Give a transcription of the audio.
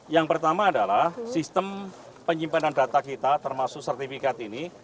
yang pertama adalah sistem penyimpanan data kita termasuk sertifikat ini